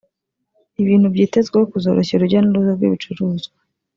ibintu byitezweho kuzoroshya urujya n’uruza rw’ibicuruzwa